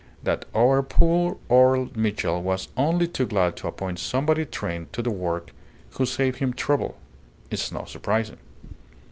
That our poor old Mitchell was only too glad to appoint somebody trained to the work, who saved him trouble, is not surprising.